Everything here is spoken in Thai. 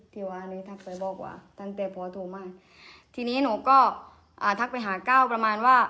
พี่มิวที่นี่หนูก็อ่าทักไปหาก้าวประมาณว่า